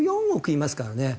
いますからね。